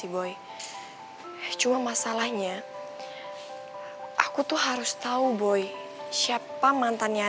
bisa kebuka matanya